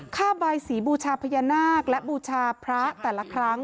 ค่าบายสีบูชาพญานาคและบูชาพระแต่ละครั้ง